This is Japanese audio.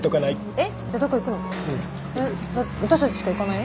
えっ私たちしか行かないよ。